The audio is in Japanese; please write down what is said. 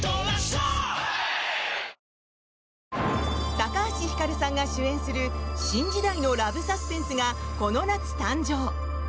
高橋ひかるさんが主演する新時代のラブサスペンスがこの夏、誕生！